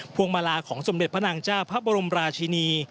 วงมาลาของสมเด็จพระนางเจ้าพระบรมราชินี